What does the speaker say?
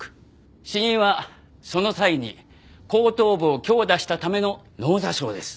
死因はその際に後頭部を強打したための脳挫傷です。